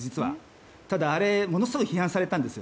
ただ、あれはものすごく批判されたんです。